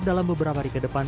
dalam beberapa hari ke depan